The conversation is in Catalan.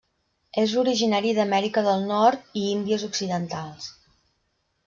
És originari d'Amèrica del Nord i Índies Occidentals.